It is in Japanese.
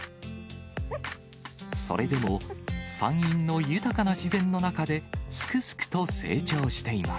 それでも山陰の豊かな自然の中で、すくすくと成長しています。